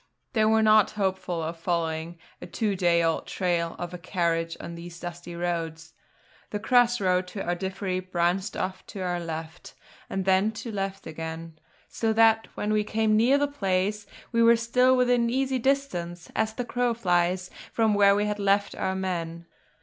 They were not hopeful of following a two day old trail of a carriage on these dusty roads. The cross road to Ardiffery branched off to our left, and then to the left again; so that when we came near the place, we were still within easy distance, as the crow flies, from where we had left our men.